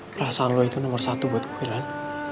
perasaan lo itu nomor satu buat gue lan